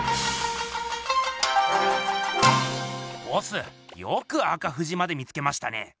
ボスよく赤富士まで見つけましたね。